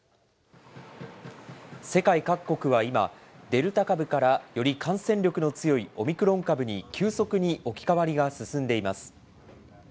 世界各国は今、デルタ株からより感染力の強いオミクロン株に急速に置き換わりが進んでいます。